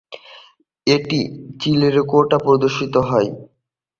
এটি চিলেকোঠায় প্রদর্শিত হয়।